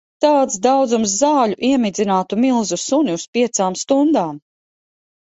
Tāds daudzums zaļu iemidzinātu milzu suni uz piecām stundām.